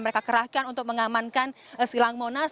mereka kerahkan untuk mengamankan silang monas